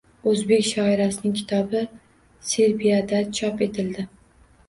O‘zbek shoirasining kitobi Serbiyada chop etildi